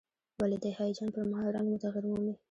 ولې د هیجان پر مهال رنګ مو تغییر مومي؟